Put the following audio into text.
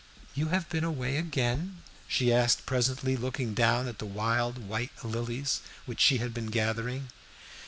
"You have been away again?" she asked presently, looking down at the wild white lilies which she had been gathering.